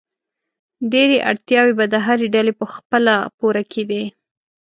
ډېری اړتیاوې به د هرې ډلې په خپله پوره کېدې.